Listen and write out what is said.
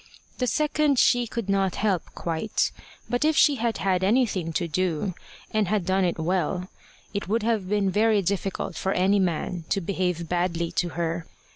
The second she could not help quite; but if she had had anything to do, and had done it well, it would have been very difficult for any man to behave badly to her.